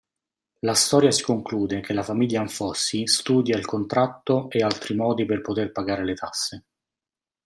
La storia si conclude che la famiglia Anfossi studia il contratto e altri modi per poter pagare le tasse.